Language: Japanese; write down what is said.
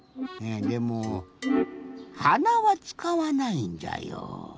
でもはなはつかわないんじゃよ。